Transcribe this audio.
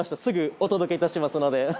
すぐお届け致しますので。